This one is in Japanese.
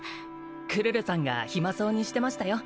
クルルさんが暇そうにしてましたよ